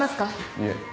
いえ。